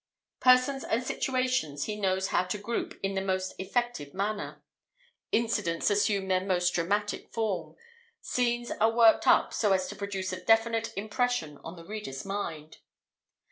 Persons and situations he knows how to group in the most effective manner; incidents assume their most dramatic form; scenes are worked up so as to produce a definite impression on the reader's mind.